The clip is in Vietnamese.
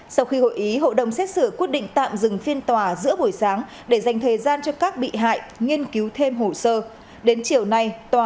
sau khi hội ý hội đồng xét xử quyết định tạm dừng phiên tòa giữa buổi sáng để dành thời gian cho các bị hại nghiên cứu thêm hồ sơ